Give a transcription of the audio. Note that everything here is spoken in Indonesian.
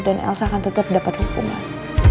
dan elsa akan tetap dapat hukuman